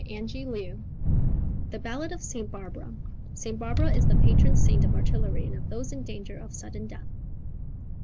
Hygiene 82 THE BALLAD OF ST. BARBARA _(St. Barbara is the patron saint of artillery and of those in danger of sudden death.)